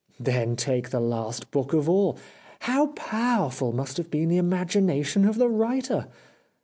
Then take the last book of all. How powerful must have been the imagination of the writer